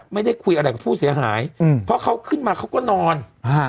ไม่ได้คุยอะไรกับผู้เสียหายอืมเพราะเขาขึ้นมาเขาก็นอนฮะ